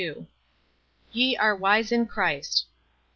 Ye are wise in Christ."